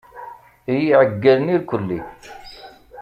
I yiɛeggalen irkkeli.